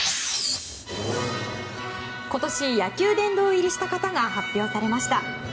今年、野球殿堂入りした方が発表されました。